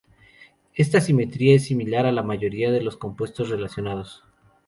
Esta simetría es similar a la mayoría de los compuestos relacionados.